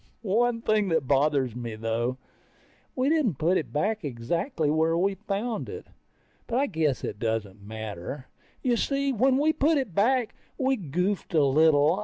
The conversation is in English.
One thing that bothers me though, we didn't put it back exactly the way we found it. But I guess it doesn't matter. You see, when we put it back, we goofed a little.